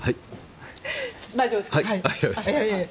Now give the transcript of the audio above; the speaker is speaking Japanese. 大丈夫です。